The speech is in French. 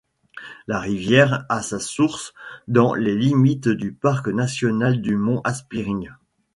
La rivière a sa source dans les limites du parc national du mont Aspiring.